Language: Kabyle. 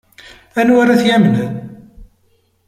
Anwa ara t-yamnen?